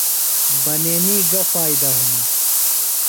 بنینی گہ فائدہ ہِنوۡ؟